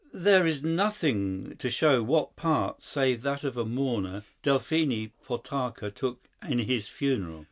There is nothing to show what part, save that of a mourner, Delphine Potocka took in his funeral.